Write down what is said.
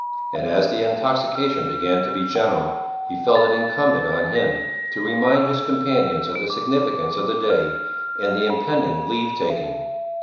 And as the intoxication began to be general, he felt it incumbent on him to remind his companions of the significance of the day and the impending leave taking.